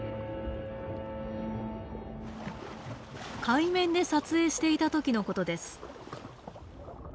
海面で撮影していた時のことです。